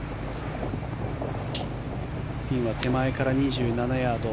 ピンは手前から２７ヤード。